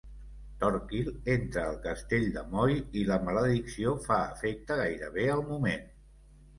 Torquil entra al castell de Moy i la maledicció fa efecte gairebé al moment.